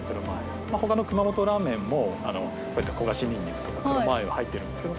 他の熊本ラーメンもこういった焦がしニンニクとか黒マー油が入ってるんですけど。